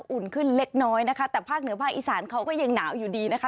อุ่นขึ้นเล็กน้อยนะคะแต่ภาคเหนือภาคอีสานเขาก็ยังหนาวอยู่ดีนะคะ